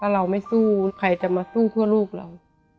เราไม่สู้ใครจะมาสู้เพื่อลูกเรา